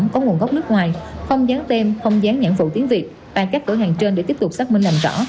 các nhãn phụ tiếng việt và các cửa hàng trên để tiếp tục xác minh làm rõ